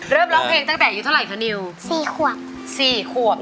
เริ่มร้องเพลงตั้งแต่อยู่เท่าไหร่คะนิ้ว๔ขวบ๔ขวบ